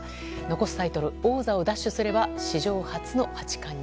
残すタイトル王座を奪取すれば史上初の八冠に。